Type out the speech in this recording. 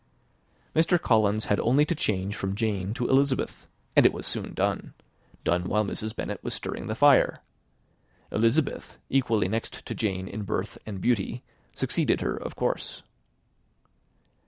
Mr. Collins had only to change from Jane to Elizabeth and it was soon done done while Mrs. Bennet was stirring the fire. Elizabeth, equally next to Jane in birth and beauty, succeeded her of course.